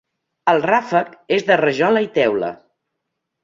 El ràfec és de rajola i teula.